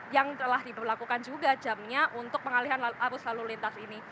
yang telah diberlakukan juga jamnya untuk pengalihan arus lalu lintas ini